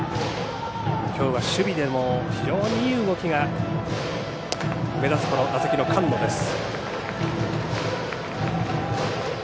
今日は守備でも非常にいい動きが目立つ打席の菅野です。